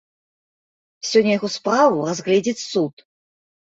Сёння яго справу разгледзіць суд.